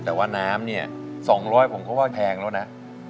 แต่ว่าน้ำ๒บาทผมก็ว่าแพงแล้วนะ